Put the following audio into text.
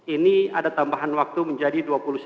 ini ada tambahan waktu menjadi dua puluh satu